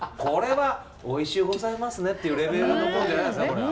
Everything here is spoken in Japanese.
これはおいしゅうございますねっていうレベルのもんじゃないですね